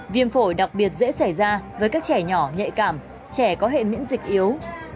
viêm phổi đặc biệt dễ xảy ra với các trẻ nhỏ nhạy cảm trẻ có hệ miễn dịch yếu